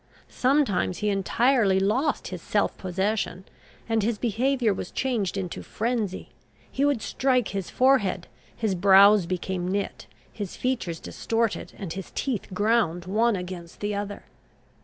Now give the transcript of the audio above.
Sometimes he entirely lost his self possession, and his behaviour was changed into frenzy: he would strike his forehead, his brows became knit, his features distorted, and his teeth ground one against the other.